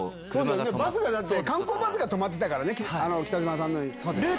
観光バスが止まってたからね、北島さんの。